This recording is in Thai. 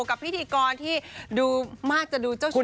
กับพิธีกรที่ดูมากจะดูเจ้าชู้